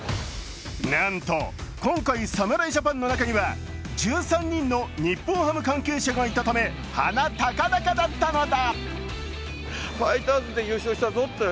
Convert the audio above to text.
更になんと今回、侍ジャパンの中には１３人の日本ハム関係者がいたため鼻高々だったのだ。